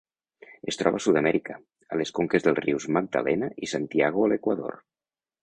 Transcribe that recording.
Es troba a Sud-amèrica, a les conques dels rius Magdalena i Santiago a l'Equador.